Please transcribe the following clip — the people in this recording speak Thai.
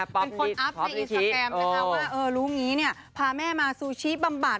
เป็นคนอัพในอินสตราแกรมนะคะว่ารู้อย่างนี้พาแม่มาซูชิบำบัด